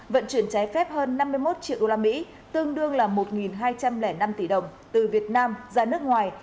vận chuyển trái phép hơn năm mươi một triệu usd tương đương là một hai trăm linh năm tỷ đồng từ việt nam ra nước ngoài